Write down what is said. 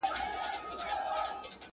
زورور یم خو څوک نه آزارومه٫